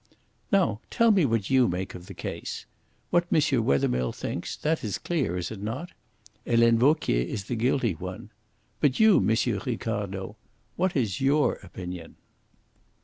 "Now tell me what you make of the case. What M. Wethermill thinks that is clear, is it not? Helene Vauquier is the guilty one. But you, M. Ricardo? What is your opinion?"